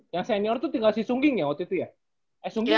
yang senior tuh tinggal si sungging ya waktu itu ya eh sungging aja